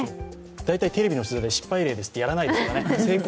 大体、テレビの取材で失敗例をやらないですからね。